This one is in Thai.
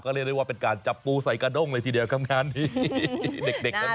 ก็เรียกได้ว่าเป็นการจับปูใส่กระดงเลยทีเดียวทำงานนี้